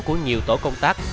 của nhiều tổ công tác